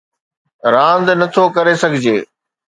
راند نه ٿو ڪري سگھجي